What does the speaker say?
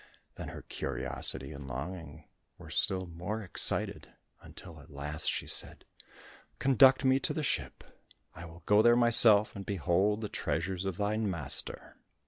Then her curiosity and longing were still more excited, until at last she said, "Conduct me to the ship, I will go there myself, and behold the treasures of thine master."